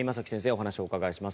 お話をお伺いします。